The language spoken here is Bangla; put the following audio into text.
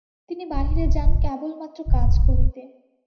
তিনি বাহিরে যান কেবলমাত্র কাজ করিতে।